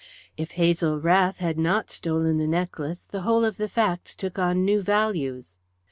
If Hazel Rath had not stolen the necklace, the whole of the facts took on new values.